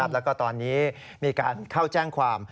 แล้วก็ตอนนี้มีการเข้าแจ้งความ